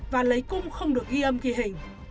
và lấy cung không được ghi âm ghi hình